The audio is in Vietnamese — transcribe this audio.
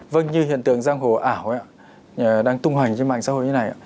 vâng như hiện tượng giang hồ ảo đang tung hành trên mạng xã hội như thế này